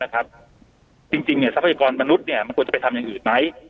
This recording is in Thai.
ครับจริงเนี่ยทรัพยากรมนุษย์จะไปทำอย่างอื่นไหม